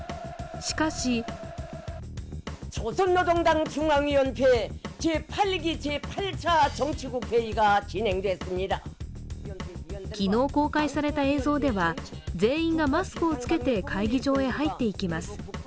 しかし昨日公開された映像では全員がマスクを着けて会議場に入っていきます。